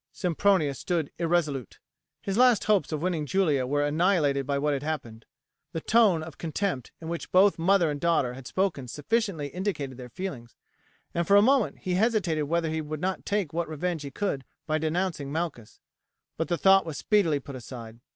Sempronius stood irresolute. His last hopes of winning Julia were annihilated by what had happened. The tone of contempt in which both mother and daughter had spoken sufficiently indicated their feelings, and for a moment he hesitated whether he would not take what revenge he could by denouncing Malchus. But the thought was speedily put aside.